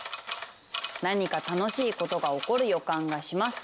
「何か楽しいことが起こる予感がします。